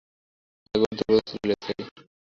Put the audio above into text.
আগে ওর দুর্বলতা ছিল লেগ সাইডে।